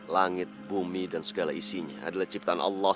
langit bumi dan segala isinya adalah ciptaan allah